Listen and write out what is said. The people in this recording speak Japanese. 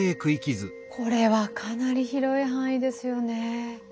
これはかなり広い範囲ですよね。